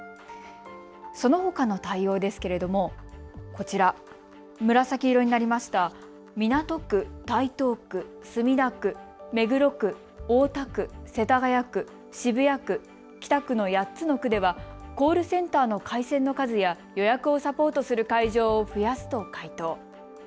そのほかの対応ですけれどもこちら、紫色になりました港区、台東区、墨田区、目黒区、大田区、世田谷区、渋谷区、北区の８つの区ではコールセンターの回線の数や予約をサポートする会場を増やすと回答。